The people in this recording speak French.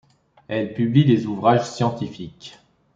Elle publie des ouvrages scientifiques.